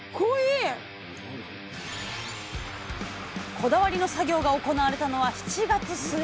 こだわりの作業が行われたのは７月末。